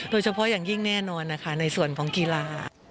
โดยเฉพาะอย่างยิ่งแน่นอนนะคะในส่วนของกีฬา